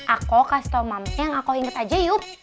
aku kasih tau mama yang aku inget aja yuk